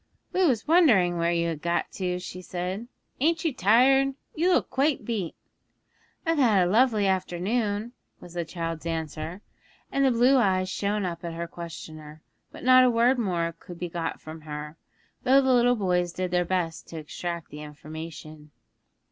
'We was wonderin' where you had got to,' she said. 'Ain't you tired? You look quite beat.' 'I've had a lovely afternoon,' was the child's answer, and the blue eyes shone up at her questioner; but not a word more could be got from her, though the little boys did their best to extract more information.